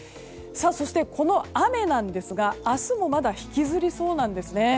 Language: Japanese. そして、この雨ですが明日もまだ引きずりそうなんですね。